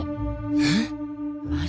えっ？